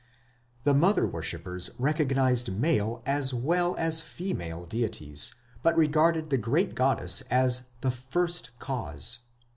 The mother worshippers recognized male as well as female deities, but regarded the great goddess as the First Cause.